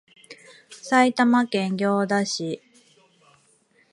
埼玉県行田市